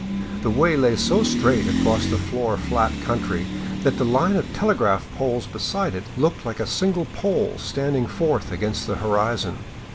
The way lay so straight across the floor flat country that the line of telegraph poles beside it looked like a single pole standing forth against the horizon.